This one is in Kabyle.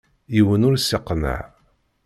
Yiwen ur isseqneɛ.